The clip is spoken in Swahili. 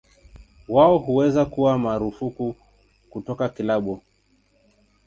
Wao huweza kuwa marufuku kutoka kilabu.